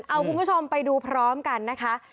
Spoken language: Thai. เอาคุณผู้ชมไปดูพร้อมกันนะคะ